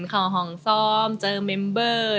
เข้าห้องซ้อมเจอเมมเบอร์